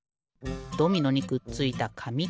ドミノにくっついたかみきれ。